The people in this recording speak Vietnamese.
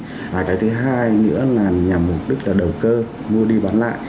và cái thứ hai nữa là nhằm mục đích là đầu cơ mua đi bán lại